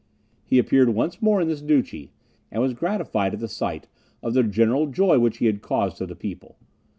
He appeared once more in this duchy, and was gratified at the sight of the general joy which he had caused to the people.